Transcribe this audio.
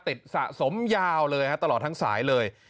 สะสมยาวเลยตลอดทั้งสายเลย